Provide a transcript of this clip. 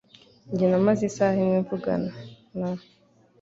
Njye namaze isaha imwe mvugana na .